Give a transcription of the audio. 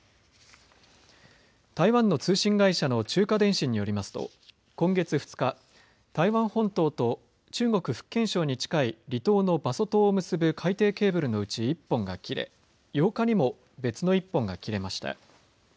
台湾の通信会社の中華電信によりますと今月２日、台湾本島と中国・福建省に近い離島の馬祖島を結ぶ海底ケーブルのうち１本が切れ８日にも別の１本が切れました。